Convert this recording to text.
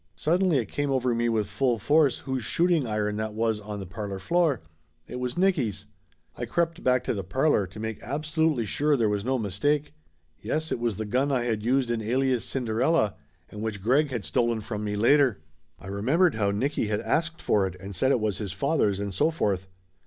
Suddenly it come over me with full force whose shooting iron that was on the parlor floor. It was Nicky's ! I crept back to the parlor to make absolutely sure there was no mistake. Yes, it was the gun I had used in Alias Cinderella, and which Greg had stolen from me later. I remembered how Nicky had asked for it and said it was his father's and so forth.